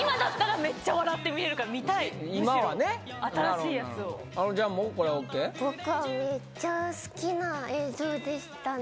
めっちゃ好きな映像でしたね。